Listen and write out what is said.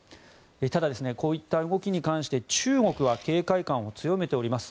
ただ、こういった動きに関して中国は警戒感を強めております。